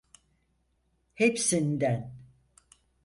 Hepsinden.